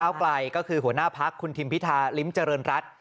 ไกลก็คือหัวหน้าพักคุณทิมพิธาลิ้มเจริญรัฐ